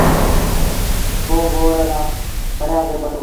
پو ٻوڙ لآ ڦريآݩ کي پٽبو اهي